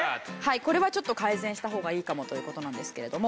これはちょっと改善した方がいいかもという事なんですけれども。